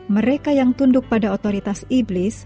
mereka yang tunduk pada otoritas iblis